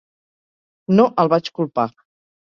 No el vaig culpar.